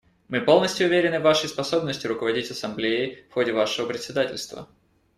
Мы полностью уверены в Вашей способности руководить Ассамблеей в ходе Вашего председательства.